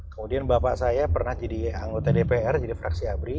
kemudian bapak saya pernah jadi anggota dpr jadi fraksi abri